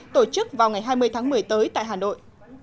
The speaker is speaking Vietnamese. tổ chức vào ngày hai mươi tháng một mươi tới tại hà nội